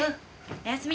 おやすみ。